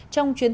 trong chuyến tàu